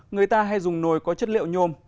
người ta hay dùng nồi có chất liệu nhôm